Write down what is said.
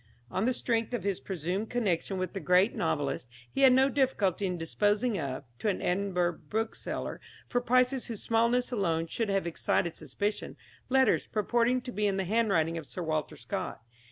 On the strength of his presumed connection with the great novelist, he had no difficulty in disposing of, to an Edinburgh bookseller, for prices whose smallness alone should have excited suspicion, letters purporting to be in the handwriting of Sir Walter Scott.